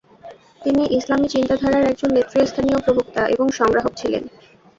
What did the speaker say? তিনি ইসালামি চিন্তাধারার একজন নেতৃস্থানীয় প্রবক্তা এবং সংগ্রাহক ছিলেন।